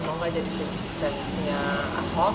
mau gak jadi tim suksesnya ahok